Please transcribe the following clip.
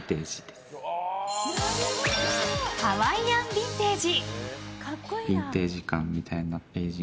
ハワイアンビンテージ。